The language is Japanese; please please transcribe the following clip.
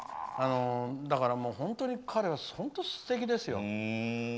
だから、本当に彼はすてきですよ。